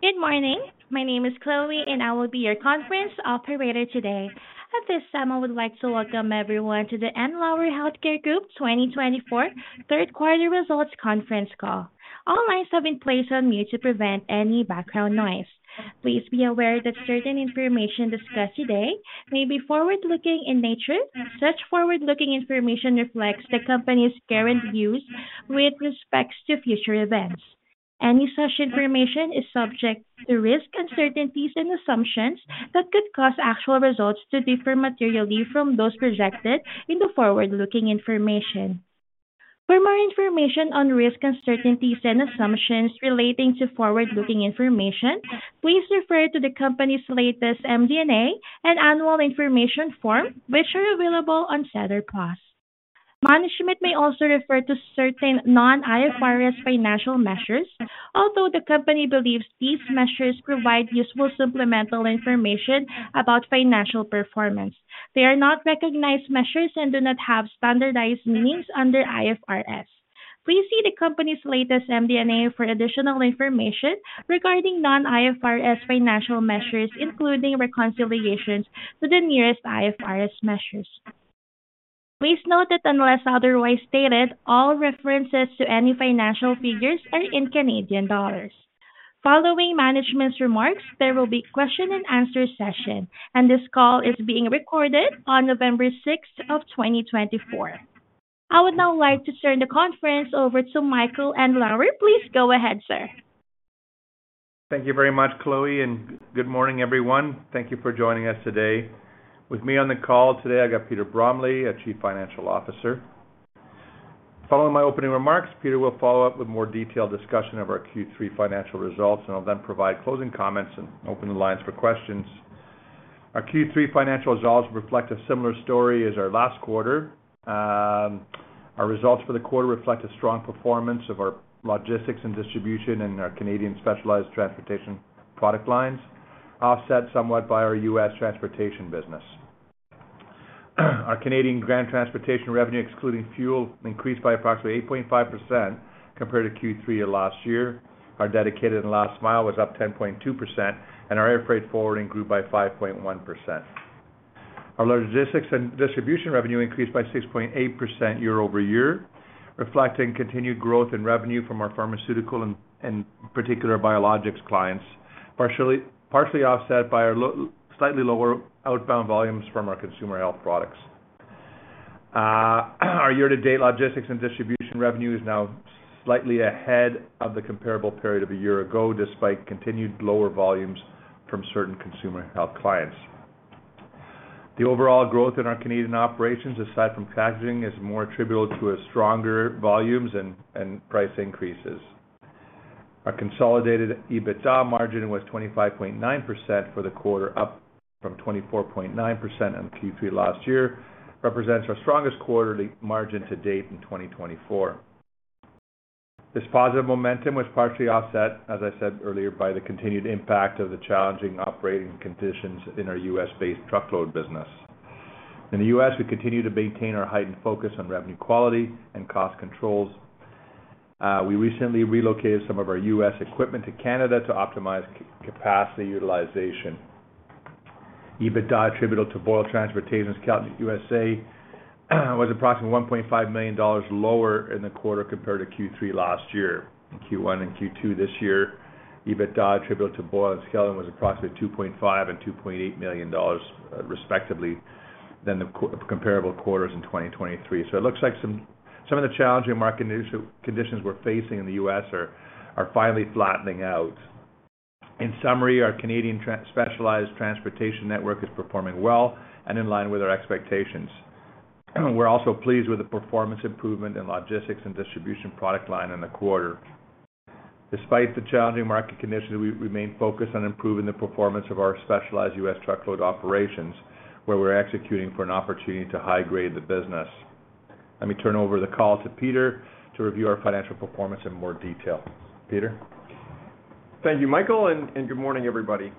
Good morning. My name is Chloe, and I will be your conference operator today. At this time, I would like to welcome everyone to the Andlauer Healthcare Group 2024 third-quarter results conference call. All lines have been placed on mute to prevent any background noise. Please be aware that certain information discussed today may be forward-looking in nature. Such forward-looking information reflects the company's current views with respect to future events. Any such information is subject to risk uncertainties and assumptions that could cause actual results to differ materially from those projected in the forward-looking information. For more information on risk uncertainties and assumptions relating to forward-looking information, please refer to the company's latest MD&A and annual information form, which are available on SEDAR+. Management may also refer to certain non-IFRS financial measures, although the company believes these measures provide useful supplemental information about financial performance. They are not recognized measures and do not have standardized meanings under IFRS. Please see the company's latest MD&A for additional information regarding non-IFRS financial measures, including reconciliations to the nearest IFRS measures. Please note that unless otherwise stated, all references to any financial figures are in Canadian dollars. Following management's remarks, there will be a question-and-answer session, and this call is being recorded on November 6th of 2024. I would now like to turn the conference over to Michael Andlauer. Please go ahead, sir. Thank you very much, Chloe, and good morning, everyone. Thank you for joining us today. With me on the call today, I got Peter Bromley, Chief Financial Officer. Following my opening remarks, Peter will follow up with a more detailed discussion of our Q3 financial results, and I'll then provide closing comments and open the lines for questions. Our Q3 financial results reflect a similar story as our last quarter. Our results for the quarter reflect a strong performance of our logistics and distribution and our Canadian specialized transportation product lines, offset somewhat by our U.S. transportation business. Our Canadian ground transportation revenue, excluding fuel, increased by approximately 8.5% compared to Q3 of last year. Our dedicated and last mile was up 10.2%, and our air freight forwarding grew by 5.1%. Our logistics and distribution revenue increased by 6.8% year over year, reflecting continued growth in revenue from our pharmaceutical and particular biologics clients, partially offset by our slightly lower outbound volumes from our consumer health products. Our year-to-date logistics and distribution revenue is now slightly ahead of the comparable period of a year ago, despite continued lower volumes from certain consumer health clients. The overall growth in our Canadian operations, aside from packaging, is more attributable to stronger volumes and price increases. Our consolidated EBITDA margin was 25.9% for the quarter, up from 24.9% in Q3 last year, represents our strongest quarterly margin to date in 2024. This positive momentum was partially offset, as I said earlier, by the continued impact of the challenging operating conditions in our U.S.-based truckload business. In the U.S., we continue to maintain our heightened focus on revenue quality and cost controls. We recently relocated some of our U.S. equipment to Canada to optimize capacity utilization. EBITDA attributable to Boyle Transportation and Skelton USA was approximately 1.5 million dollars lower in the quarter compared to Q3 last year. In Q1 and Q2 this year, EBITDA attributable to Boyle and Skelton was approximately 2.5 million and 2.8 million dollars, respectively, than the comparable quarters in 2023. So it looks like some of the challenging market conditions we're facing in the U.S. are finally flattening out. In summary, our Canadian specialized transportation network is performing well and in line with our expectations. We're also pleased with the performance improvement in logistics and distribution product line in the quarter. Despite the challenging market conditions, we remain focused on improving the performance of our specialized U.S. truckload operations, where we're executing for an opportunity to high-grade the business. Let me turn over the call to Peter to review our financial performance in more detail. Peter. Thank you, Michael, and good morning, everybody.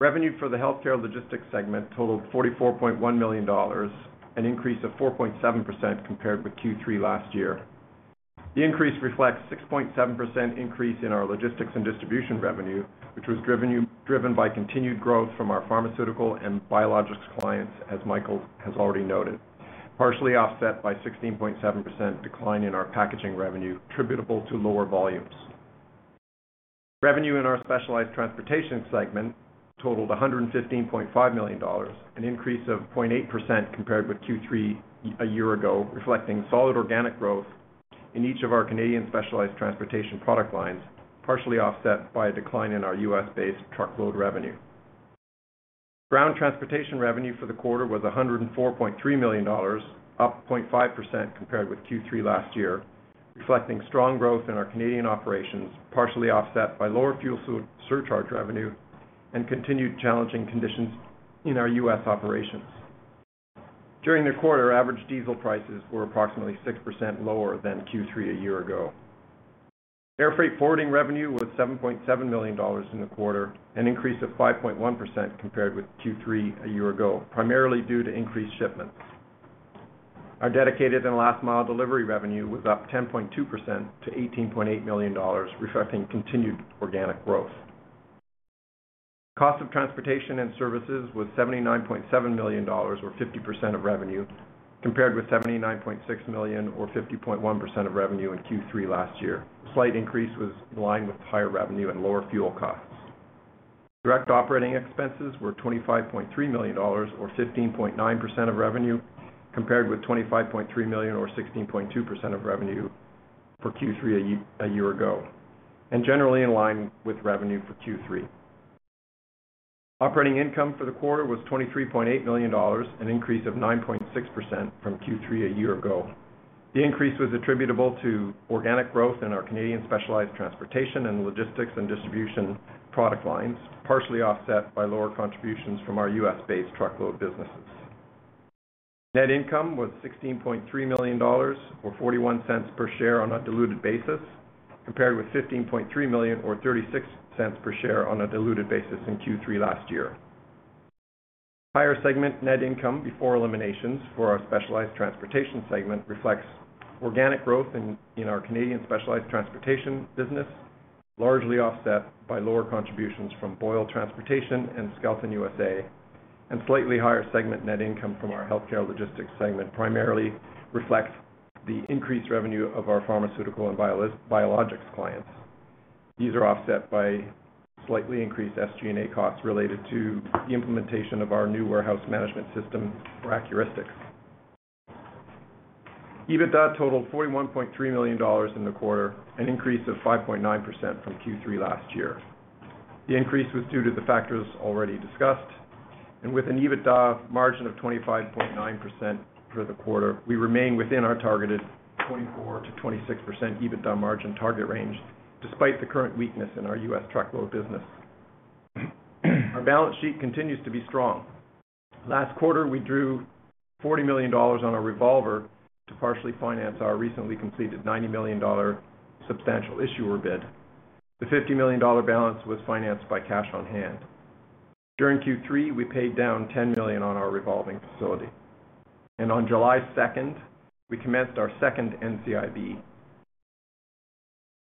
Revenue for the healthcare logistics segment totaled 44.1 million dollars, an increase of 4.7% compared with Q3 last year. The increase reflects a 6.7% increase in our logistics and distribution revenue, which was driven by continued growth from our pharmaceutical and biologics clients, as Michael has already noted, partially offset by a 16.7% decline in our packaging revenue attributable to lower volumes. Revenue in our specialized transportation segment totaled 115.5 million dollars, an increase of 0.8% compared with Q3 a year ago, reflecting solid organic growth in each of our Canadian specialized transportation product lines, partially offset by a decline in our U.S.-based truckload revenue. Ground transportation revenue for the quarter was 104.3 million dollars, up 0.5% compared with Q3 last year, reflecting strong growth in our Canadian operations, partially offset by lower fuel surcharge revenue and continued challenging conditions in our U.S. operations. During the quarter, average diesel prices were approximately 6% lower than Q3 a year ago. Air freight forwarding revenue was 7.7 million dollars in the quarter, an increase of 5.1% compared with Q3 a year ago, primarily due to increased shipments. Our dedicated and last-mile delivery revenue was up 10.2% to 18.8 million dollars, reflecting continued organic growth. Cost of transportation and services was 79.7 million dollars, or 50% of revenue, compared with 79.6 million, or 50.1% of revenue in Q3 last year. A slight increase was in line with higher revenue and lower fuel costs. Direct operating expenses were 25.3 million dollars, or 15.9% of revenue, compared with 25.3 million, or 16.2% of revenue for Q3 a year ago, and generally in line with revenue for Q3. Operating income for the quarter was 23.8 million dollars, an increase of 9.6% from Q3 a year ago. The increase was attributable to organic growth in our Canadian specialized transportation and logistics and distribution product lines, partially offset by lower contributions from our U.S.-based truckload businesses. Net income was 16.3 million dollars, or 0.41 per share on a diluted basis, compared with 15.3 million, or 0.36 per share on a diluted basis in Q3 last year. Higher segment net income before eliminations for our specialized transportation segment reflects organic growth in our Canadian specialized transportation business, largely offset by lower contributions from Boyle Transportation and Skelton USA, and slightly higher segment net income from our healthcare logistics segment primarily reflects the increased revenue of our pharmaceutical and biologics clients. These are offset by slightly increased SG&A costs related to the implementation of our new warehouse management system for Accuristix. EBITDA totaled 41.3 million dollars in the quarter, an increase of 5.9% from Q3 last year. The increase was due to the factors already discussed, and with an EBITDA margin of 25.9% for the quarter, we remain within our targeted 24%-26% EBITDA margin target range, despite the current weakness in our U.S. truckload business. Our balance sheet continues to be strong. Last quarter, we drew 40 million dollars on a revolver to partially finance our recently completed 90 million dollar Substantial Issuer Bid. The 50 million dollar balance was financed by cash on hand. During Q3, we paid down 10 million on our revolving facility. And on July 2nd, we commenced our second NCIB.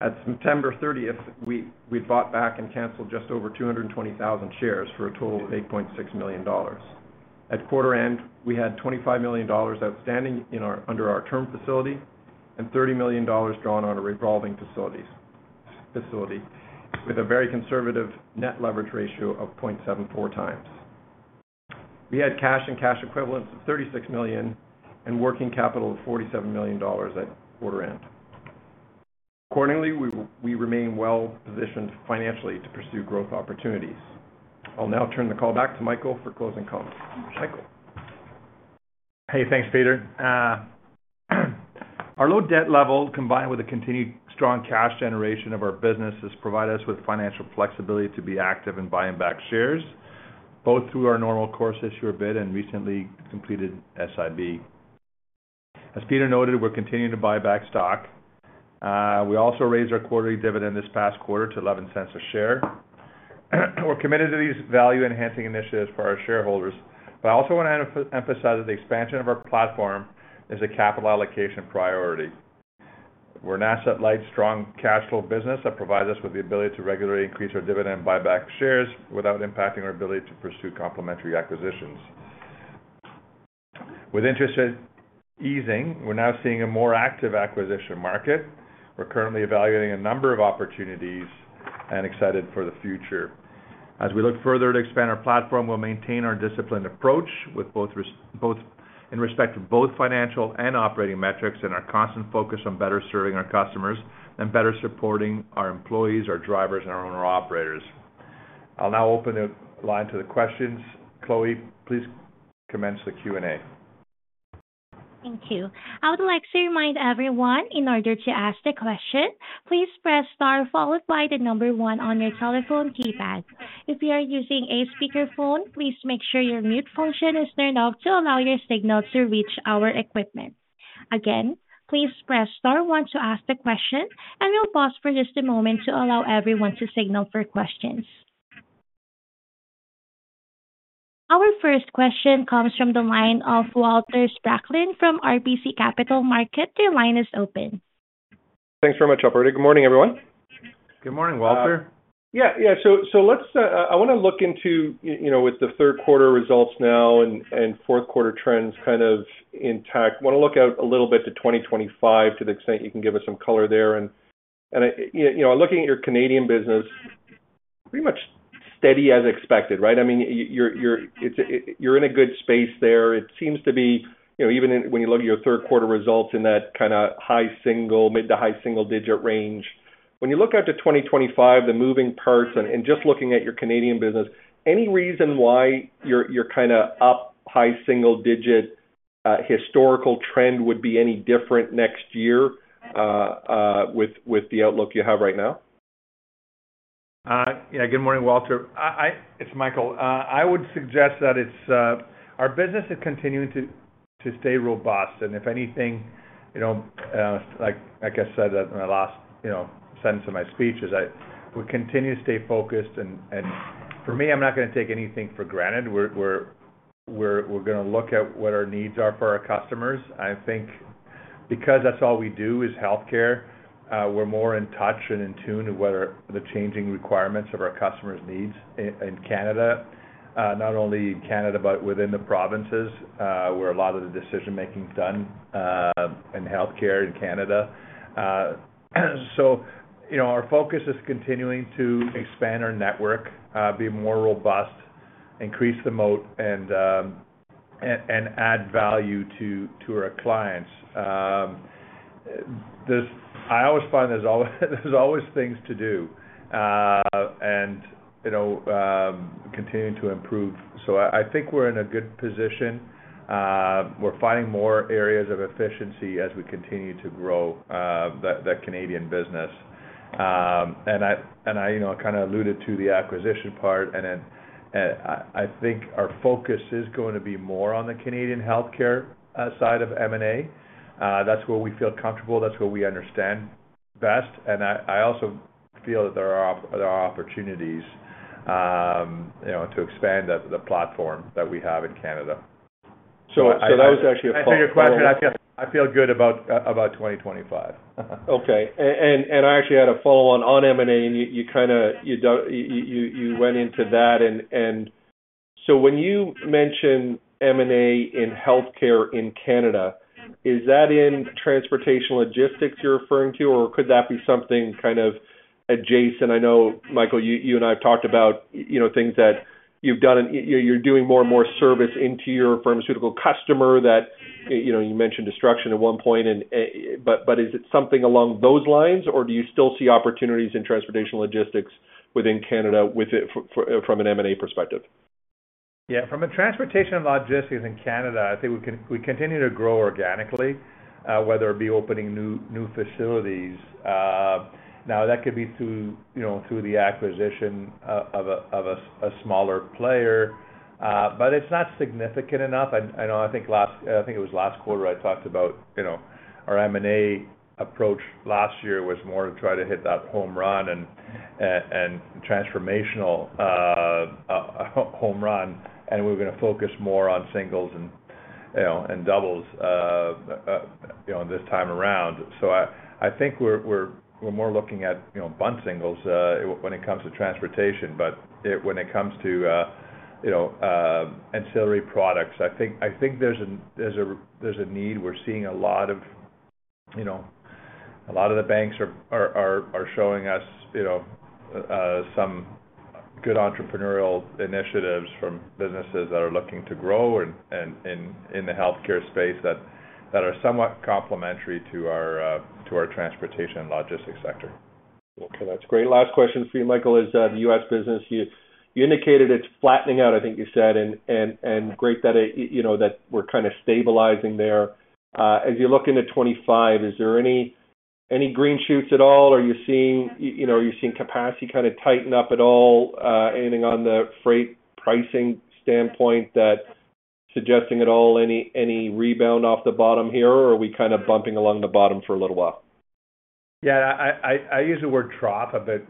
At September 30th, we bought back and canceled just over 220,000 shares for a total of 8.6 million dollars. At quarter end, we had 25 million dollars outstanding under our term facility and 30 million dollars drawn on our revolving facility with a very conservative net leverage ratio of 0.74 times. We had cash and cash equivalents of 36 million and working capital of 47 million dollars at quarter end. Accordingly, we remain well-positioned financially to pursue growth opportunities. I'll now turn the call back to Michael for closing comments. Michael. Hey, thanks, Peter. Our low debt level, combined with the continued strong cash generation of our business, has provided us with financial flexibility to be active in buying back shares, both through our Normal Course Issuer Bid and recently completed SIB. As Peter noted, we're continuing to buy back stock. We also raised our quarterly dividend this past quarter to 0.11 a share. We're committed to these value-enhancing initiatives for our shareholders, but I also want to emphasize that the expansion of our platform is a capital allocation priority. We're an asset-light, strong cash flow business that provides us with the ability to regularly increase our dividend and buyback shares without impacting our ability to pursue complementary acquisitions. With interest rates easing, we're now seeing a more active acquisition market. We're currently evaluating a number of opportunities and excited for the future. As we look further to expand our platform, we'll maintain our disciplined approach in respect to both financial and operating metrics and our constant focus on better serving our customers and better supporting our employees, our drivers, and our owner-operators. I'll now open the line to the questions. Chloe, please commence the Q&A. Thank you. I would like to remind everyone, in order to ask the question, please press star followed by the number one on your telephone keypad. If you are using a speakerphone, please make sure your mute function is turned off to allow your signal to reach our equipment. Again, please press star one to ask the question, and we'll pause for just a moment to allow everyone to signal for questions. Our first question comes from the line of Walter Spracklin from RBC Capital Markets. Their line is open. Thanks very much everybody. Good morning, everyone. Good morning, Walter. Yeah, yeah. So I want to look into, with the third quarter results now and fourth quarter trends kind of intact, I want to look out a little bit to 2025 to the extent you can give us some color there. And looking at your Canadian business, pretty much steady as expected, right? I mean, you're in a good space there. It seems to be, even when you look at your third quarter results in that kind of high single, mid to high single-digit range. When you look out to 2025, the moving parts, and just looking at your Canadian business, any reason why you're kind of up high single-digit historical trend would be any different next year with the outlook you have right now? Yeah, good morning, Walter. It's Michael. I would suggest that our business is continuing to stay robust. And if anything, like I said in the last sentence of my speech, is that we continue to stay focused. And for me, I'm not going to take anything for granted. We're going to look at what our needs are for our customers. I think because that's all we do is healthcare, we're more in touch and in tune with the changing requirements of our customers' needs in Canada, not only in Canada, but within the provinces where a lot of the decision-making is done in healthcare in Canada. So our focus is continuing to expand our network, be more robust, increase the moat, and add value to our clients. I always find there's always things to do and continuing to improve. So I think we're in a good position. We're finding more areas of efficiency as we continue to grow the Canadian business. And I kind of alluded to the acquisition part, and I think our focus is going to be more on the Canadian healthcare side of M&A. That's where we feel comfortable. That's where we understand best. And I also feel that there are opportunities to expand the platform that we have in Canada. So that was actually a follow-up. I feel good about 2025. Okay, and I actually had a follow-on on M&A, and you kind of went into that. So when you mention M&A in healthcare in Canada, is that in transportation logistics you're referring to, or could that be something kind of adjacent? I know, Michael, you and I have talked about things that you've done, and you're doing more and more service into your pharmaceutical customer that you mentioned distribution at one point. But is it something along those lines, or do you still see opportunities in transportation logistics within Canada from an M&A perspective? Yeah. From a transportation logistics in Canada, I think we continue to grow organically, whether it be opening new facilities. Now, that could be through the acquisition of a smaller player, but it's not significant enough. I think it was last quarter I talked about our M&A approach last year was more to try to hit that home run and transformational home run, and we were going to focus more on singles and doubles this time around. So I think we're more looking at bunch of singles when it comes to transportation, but when it comes to ancillary products, I think there's a need. We're seeing a lot of the banks are showing us some good entrepreneurial initiatives from businesses that are looking to grow in the healthcare space that are somewhat complementary to our transportation logistics sector. Okay. That's great. Last question for you, Michael, is the U.S. business. You indicated it's flattening out, I think you said, and great that we're kind of stabilizing there. As you look into 2025, is there any green shoots at all, or are you seeing capacity kind of tighten up at all, anything on the freight pricing standpoint that's suggesting at all any rebound off the bottom here, or are we kind of bumping along the bottom for a little while? Yeah. I used the word trough a bit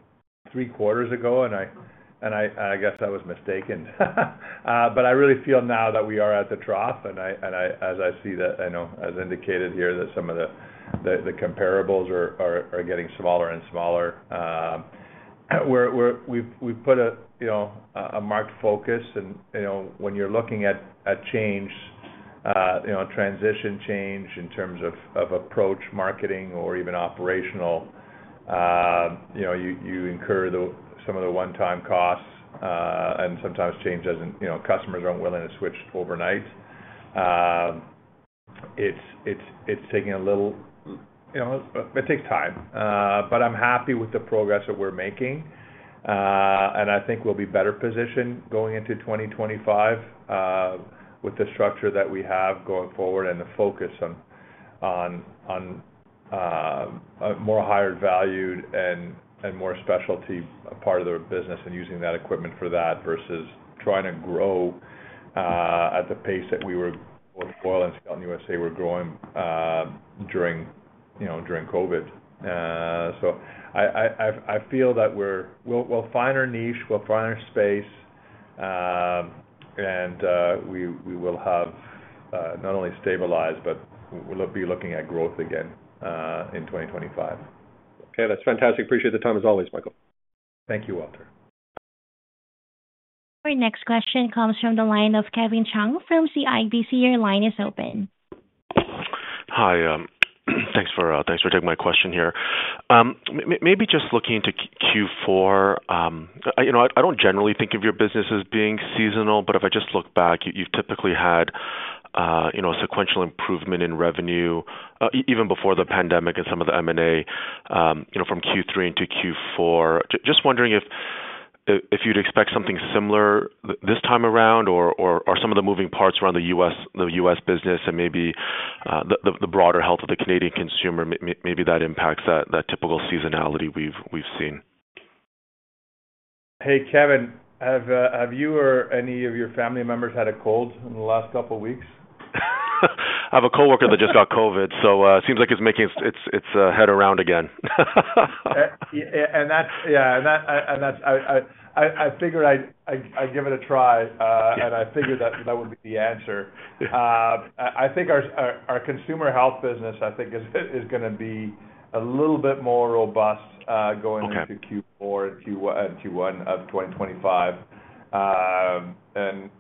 three quarters ago, and I guess I was mistaken. But I really feel now that we are at the trough, and as I see that, as indicated here, that some of the comparables are getting smaller and smaller. We've put a marked focus, and when you're looking at change, transition change in terms of approach, marketing, or even operational, you incur some of the one-time costs, and sometimes change doesn't, customers aren't willing to switch overnight. It takes time, but I'm happy with the progress that we're making, and I think we'll be better positioned going into 2025 with the structure that we have going forward and the focus on more higher-valued and more specialty part of the business and using that equipment for that versus trying to grow at the pace that we were with Boyle and Skelton USA were growing during COVID, so I feel that we'll find our niche, we'll find our space, and we will have not only stabilized, but we'll be looking at growth again in 2025. Okay. That's fantastic. Appreciate the time as always, Michael. Thank you, Walter. Our next question comes from the line of Kevin Chiang from CIBC. Your line is open. Hi. Thanks for taking my question here. Maybe just looking into Q4, I don't generally think of your business as being seasonal, but if I just look back, you've typically had sequential improvement in revenue even before the pandemic and some of the M&A from Q3 into Q4. Just wondering if you'd expect something similar this time around or some of the moving parts around the U.S. business and maybe the broader health of the Canadian consumer, maybe that impacts that typical seasonality we've seen. Hey, Kevin, have you or any of your family members had a cold in the last couple of weeks? I have a coworker that just got COVID, so it seems like it's making the rounds again. Yeah. And I figured I'd give it a try, and I figured that would be the answer. I think our consumer health business, I think, is going to be a little bit more robust going into Q4 and Q1 of 2025. And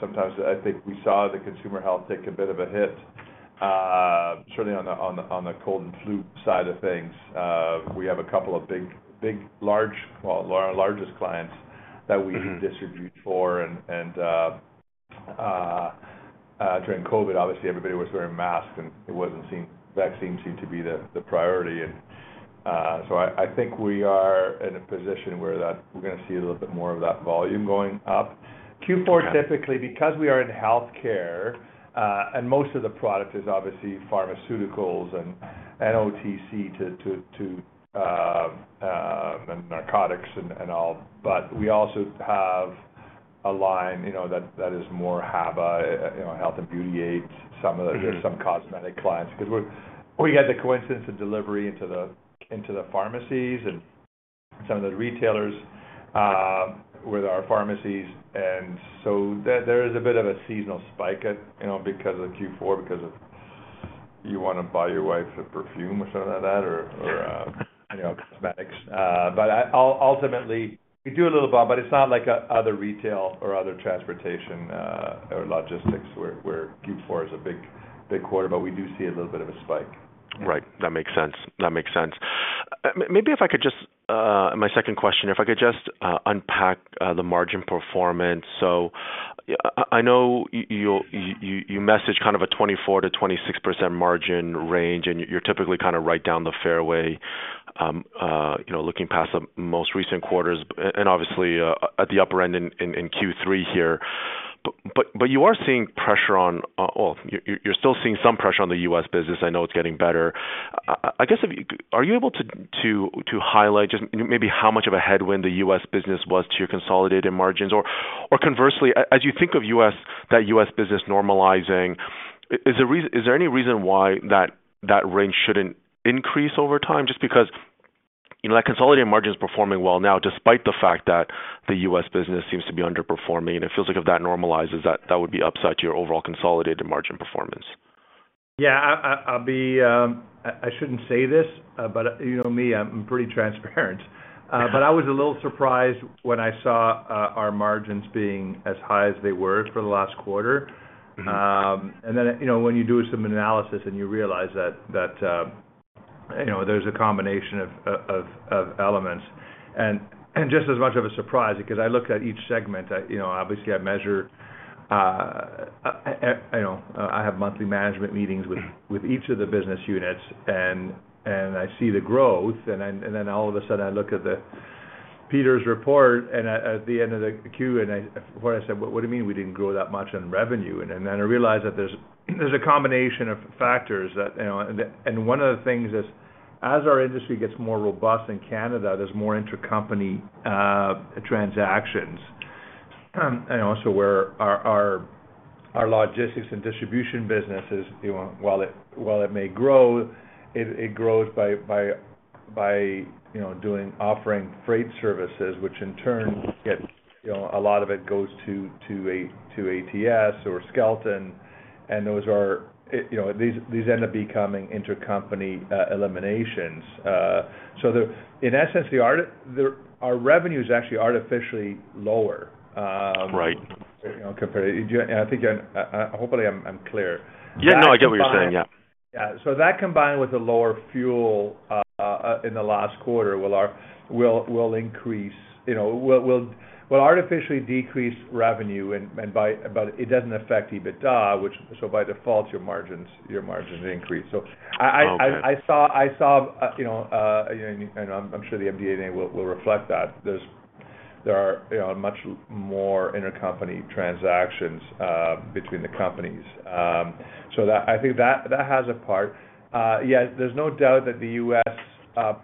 sometimes I think we saw the consumer health take a bit of a hit, certainly on the cold and flu side of things. We have a couple of big, large, largest clients that we distribute for. And during COVID, obviously, everybody was wearing masks, and vaccines seemed to be the priority. And so I think we are in a position where we're going to see a little bit more of that volume going up. Q4, typically, because we are in healthcare and most of the product is obviously pharmaceuticals and OTC, to narcotics and all, but we also have a line that is more HABA, health and beauty aids, some cosmetic clients, because we get the convenience of delivery into the pharmacies and some of the retailers with our pharmacies. And so there is a bit of a seasonal spike because of Q4, because you want to buy your wife a perfume or something like that or cosmetics. But ultimately, we do a little bump, but it's not like other retail or other transportation or logistics where Q4 is a big quarter, but we do see a little bit of a spike. Right. That makes sense. That makes sense. Maybe if I could just, my second question, if I could just unpack the margin performance. So I know you messaged kind of a 24%-26% margin range, and you're typically kind of right down the fairway looking past the most recent quarters, and obviously at the upper end in Q3 here. But you are seeing pressure on, well, you're still seeing some pressure on the U.S. business. I know it's getting better. I guess, are you able to highlight just maybe how much of a headwind the U.S. business was to your consolidated margins? Or conversely, as you think of that U.S. business normalizing, is there any reason why that range shouldn't increase over time? Just because that consolidated margin is performing well now, despite the fact that the U.S. business seems to be underperforming. It feels like if that normalizes, that would be upset your overall consolidated margin performance. Yeah. I shouldn't say this, but you know me, I'm pretty transparent. But I was a little surprised when I saw our margins being as high as they were for the last quarter. And then when you do some analysis and you realize that there's a combination of elements, and just as much of a surprise, because I looked at each segment, obviously. I measure. I have monthly management meetings with each of the business units, and I see the growth. And then all of a sudden, I look at Peter's report at the end of the Q, and I said, "What do you mean we didn't grow that much in revenue?" And then I realized that there's a combination of factors. And one of the things is, as our industry gets more robust in Canada, there's more intercompany transactions. And also where our logistics and distribution businesses, while it may grow, it grows by offering freight services, which in turn, a lot of it goes to ATS or Skelton. And these end up becoming intercompany eliminations. So in essence, our revenue is actually artificially lower compared to - and I think hopefully I'm clear. Yeah. No, I get what you're saying. Yeah. Yeah. So that combined with the lower fuel in the last quarter will increase, will artificially decrease revenue, but it doesn't affect EBITDA, which by default, your margins increase. So I saw, and I'm sure the MD&A will reflect that, there are much more intercompany transactions between the companies. So I think that has a part. Yeah. There's no doubt that the U.S.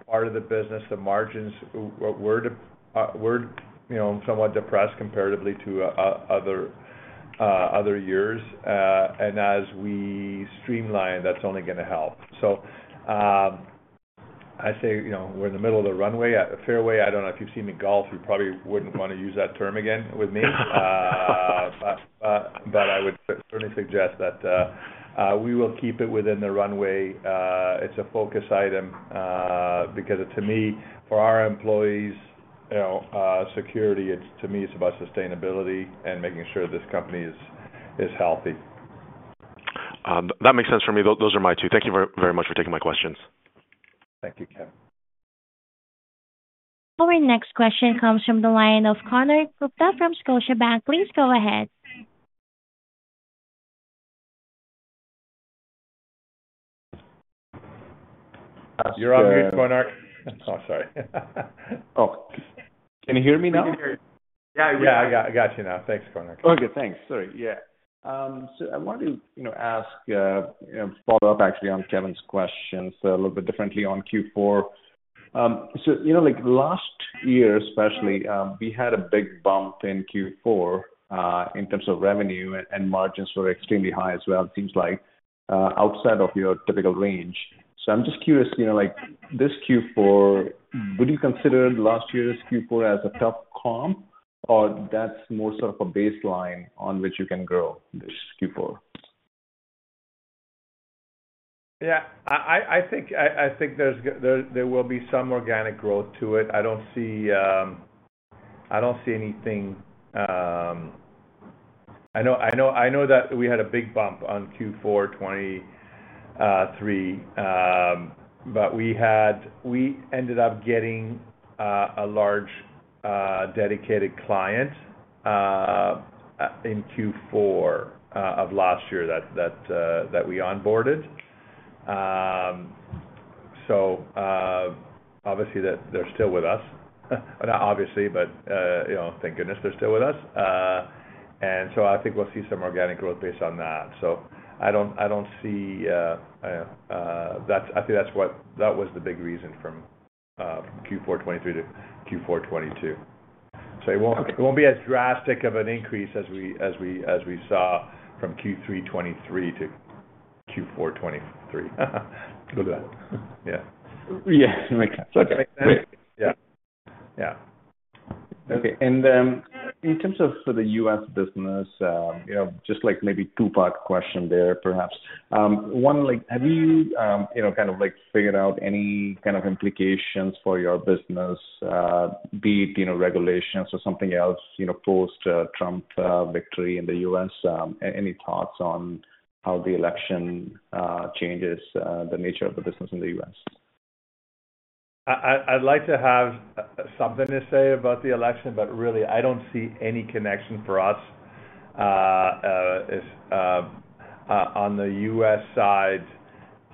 part of the business, the margins were somewhat depressed comparatively to other years, and as we streamline, that's only going to help. So I say we're in the middle of the runway, fairway. I don't know if you've seen my golf. You probably wouldn't want to use that term again with me, but I would certainly suggest that we will keep it within the runway. It's a focus item because, to me, for our employees, security, to me, it's about sustainability and making sure this company is healthy. That makes sense for me. Those are my two. Thank you very much for taking my questions. Thank you, Kevin. Our next question comes from the line of Konark Gupta from Scotiabank. Please go ahead. You're on mute, Konark. Oh, sorry. Oh. Can you hear me now? Yeah. I hear you. Yeah. I got you now. Thanks, Konark. Okay. Thanks. Sorry. Yeah. So I wanted to ask follow-up, actually, on Kevin's question, so a little bit differently on Q4. So last year, especially, we had a big bump in Q4 in terms of revenue, and margins were extremely high as well, it seems like, outside of your typical range. So I'm just curious, this Q4, would you consider last year's Q4 as a tough comp, or that's more sort of a baseline on which you can grow this Q4? Yeah. I think there will be some organic growth to it. I don't see anything. I know that we had a big bump on Q4 2023, but we ended up getting a large dedicated client in Q4 of last year that we onboarded. So obviously, they're still with us. Not obviously, but thank goodness they're still with us. And so I think we'll see some organic growth based on that. So I don't see. I think that was the big reason from Q4 2023 to Q4 2022. So it won't be as drastic of an increase as we saw from Q3 2023 to Q4 2023. We'll do that. Yeah. Yeah. That makes sense. That makes sense. Yeah. Yeah. Okay. And in terms of the U.S. business, just maybe a two-part question there, perhaps. One, have you kind of figured out any kind of implications for your business, be it regulations or something else post-Trump victory in the U.S.? Any thoughts on how the election changes the nature of the business in the U.S.? I'd like to have something to say about the election, but really, I don't see any connection for us. On the U.S. side,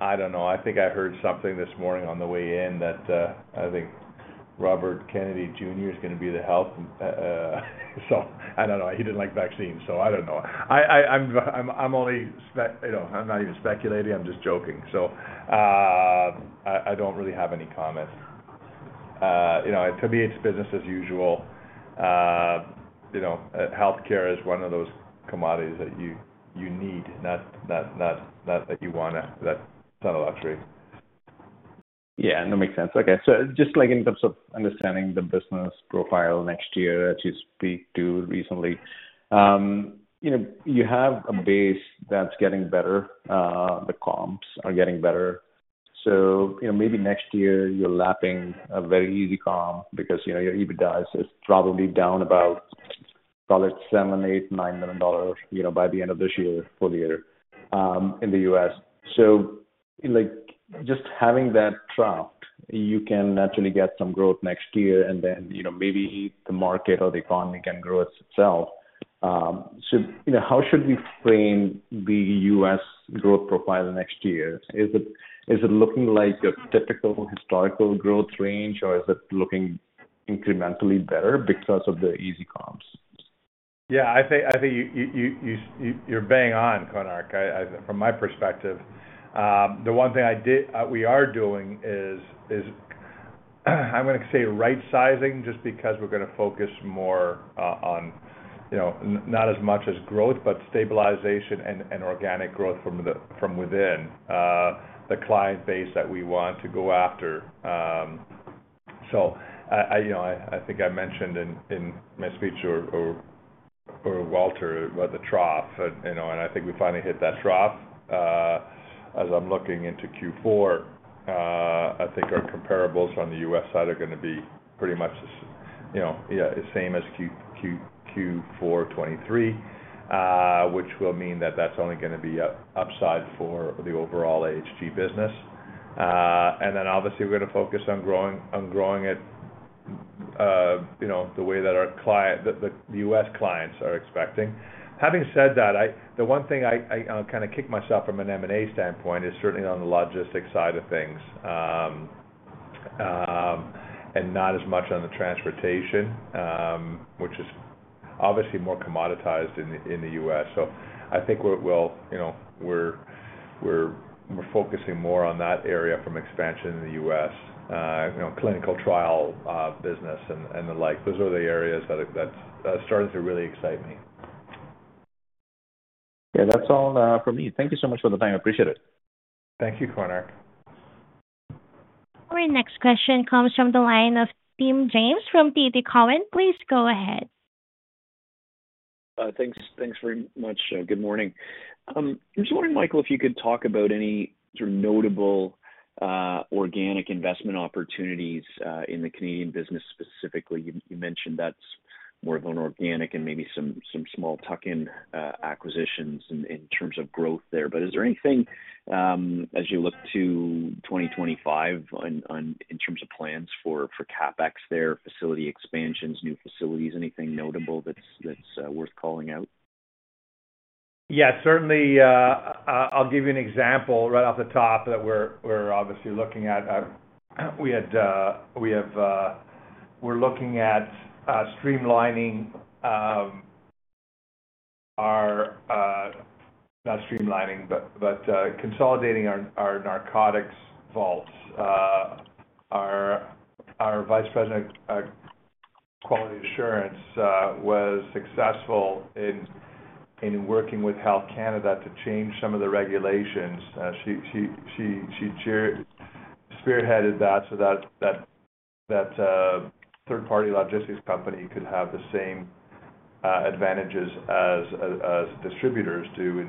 I don't know. I think I heard something this morning on the way in that I think Robert Kennedy Jr. is going to be the health, so I don't know. He didn't like vaccines, so I don't know. I'm only, I'm not even speculating. I'm just joking. So I don't really have any comments. To me, it's business as usual. Healthcare is one of those commodities that you need, not that you want to, that's not a luxury. Yeah. That makes sense. Okay. So just in terms of understanding the business profile next year, as you speak to recently, you have a base that's getting better. The comps are getting better. So maybe next year, you're lapping a very easy comp because your EBITDA is probably down about, call it, 7 million-9 million dollars by the end of this year, full year, in the U.S. So just having that trough, you can actually get some growth next year, and then maybe the market or the economy can grow itself. So how should we frame the U.S. growth profile next year? Is it looking like your typical historical growth range, or is it looking incrementally better because of the easy comps? Yeah. I think you're bang on, Konark. From my perspective, the one thing we are doing is I'm going to say right-sizing just because we're going to focus more on not as much as growth, but stabilization and organic growth from within the client base that we want to go after. So I think I mentioned in my speech or Walter about the trough, and I think we finally hit that trough. As I'm looking into Q4, I think our comparables on the U.S. side are going to be pretty much the same as Q4 2023, which will mean that that's only going to be upside for the overall AHG business. And then obviously, we're going to focus on growing it the way that our client, the U.S. clients, are expecting. Having said that, the one thing I kind of kick myself from an M&A standpoint is certainly on the logistics side of things and not as much on the transportation, which is obviously more commoditized in the U.S. So I think we're focusing more on that area from expansion in the U.S., clinical trial business, and the like. Those are the areas that are starting to really excite me. Yeah. That's all from me. Thank you so much for the time. I appreciate it. Thank you, Konark. Our next question comes from the line of Tim James from TD Cowen. Please go ahead. Thanks very much. Good morning. I was wondering, Michael, if you could talk about any notable organic investment opportunities in the Canadian business specifically. You mentioned that's more of an organic and maybe some small tuck-in acquisitions in terms of growth there. But is there anything, as you look to 2025, in terms of plans for CapEx there, facility expansions, new facilities, anything notable that's worth calling out? Yeah. Certainly, I'll give you an example right off the top that we're obviously looking at. We're looking at streamlining our - not streamlining, but consolidating our narcotics vaults. Our Vice President, Quality Assurance, was successful in working with Health Canada to change some of the regulations. She spearheaded that so that third-party logistics company could have the same advantages as distributors do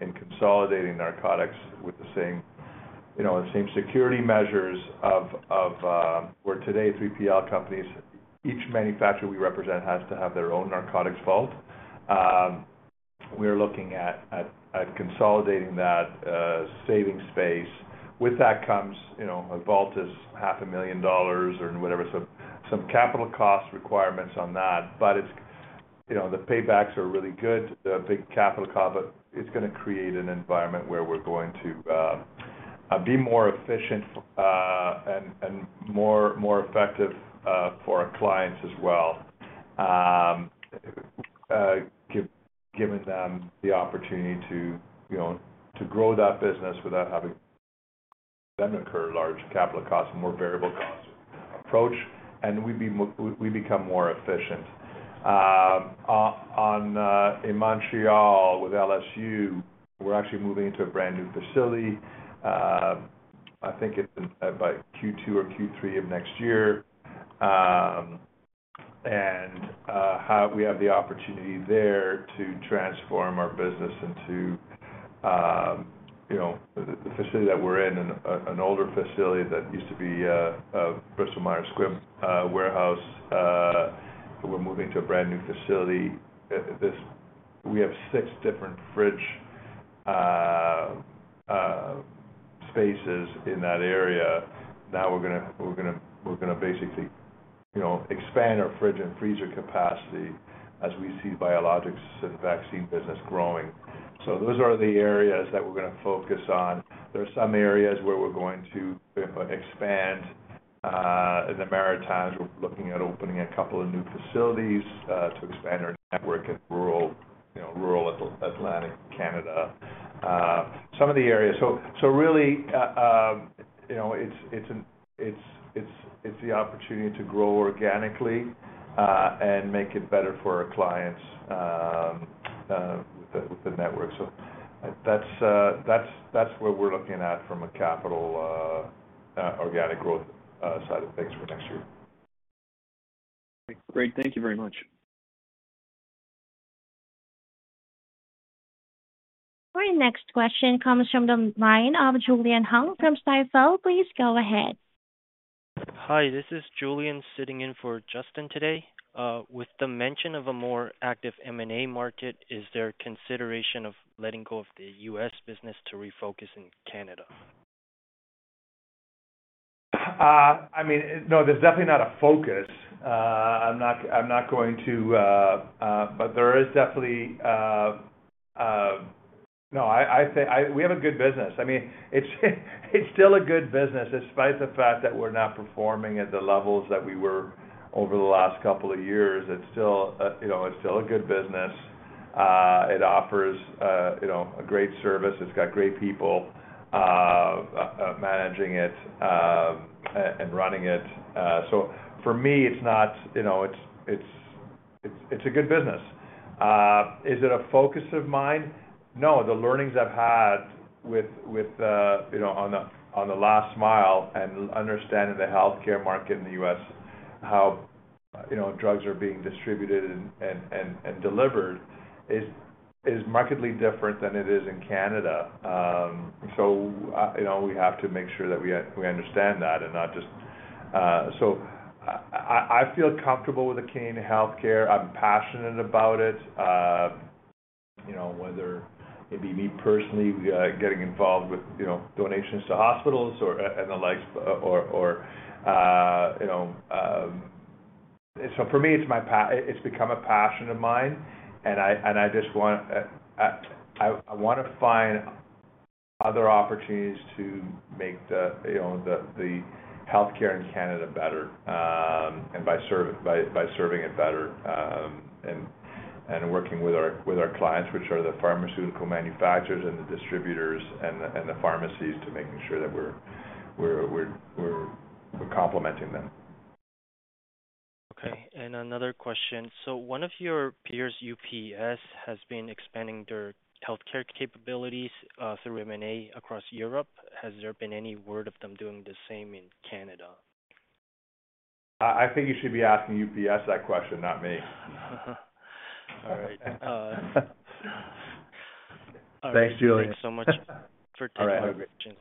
in consolidating narcotics with the same security measures of where today, 3PL companies, each manufacturer we represent has to have their own narcotics vault. We are looking at consolidating that savings space. With that comes, a vault is 500,000 dollars or whatever, so some capital cost requirements on that. But the paybacks are really good. The big capital cost, but it's going to create an environment where we're going to be more efficient and more effective for our clients as well, giving them the opportunity to grow that business without having them incur large capital costs, more variable cost approach, and we become more efficient. On Innomar with LSU, we're actually moving into a brand new facility. I think it's by Q2 or Q3 of next year, and we have the opportunity there to transform our business into the facility that we're in, an older facility that used to be a Bristol Myers Squibb warehouse. We're moving to a brand new facility. We have six different fridge spaces in that area. Now we're going to basically expand our fridge and freezer capacity as we see the biologics and vaccine business growing. So those are the areas that we're going to focus on. There are some areas where we're going to expand. In the Maritimes, we're looking at opening a couple of new facilities to expand our network in rural Atlantic Canada. Some of the areas. So really, it's the opportunity to grow organically and make it better for our clients with the network. So that's where we're looking at from a capital organic growth side of things for next year. Great. Thank you very much. Our next question comes from the line of Julian Hung from Stifel. Please go ahead. Hi. This is Julian sitting in for Justin today. With the mention of a more active M&A market, is there consideration of letting go of the U.S. business to refocus in Canada? I mean, no, there's definitely not a focus. I'm not going to, but there is definitely no. I think we have a good business. I mean, it's still a good business despite the fact that we're not performing at the levels that we were over the last couple of years. It's still a good business. It offers a great service. It's got great people managing it and running it. So for me, it's not. It's a good business. Is it a focus of mine? No. The learnings I've had on the last mile and understanding the healthcare market in the U.S., how drugs are being distributed and delivered, is markedly different than it is in Canada. So we have to make sure that we understand that and not just. So I feel comfortable with the Canadian healthcare. I'm passionate about it, whether it be me personally getting involved with donations to hospitals and the likes, so for me, it's become a passion of mine, and I just want to find other opportunities to make the healthcare in Canada better and by serving it better and working with our clients, which are the pharmaceutical manufacturers and the distributors and the pharmacies, to making sure that we're complementing them. Okay. Another question. One of your peers, UPS, has been expanding their healthcare capabilities through M&A across Europe. Has there been any word of them doing the same in Canada? I think you should be asking UPS that question, not me. All right. Thanks, Julian. Thanks so much for taking the lead.